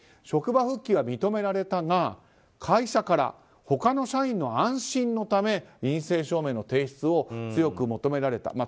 職場復帰は認められたが会社から他の社員の安心のため陰性証明の提出を強く求められた。